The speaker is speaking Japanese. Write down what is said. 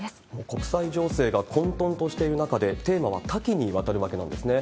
国際情勢が混とんしている中で、テーマは多岐にわたるわけなんですね。